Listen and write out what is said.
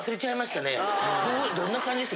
どんな感じでした？